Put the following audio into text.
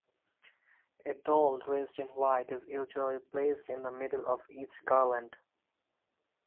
A doll dressed in white is usually placed in the middle of each garland.